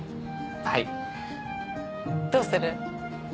はいどうする？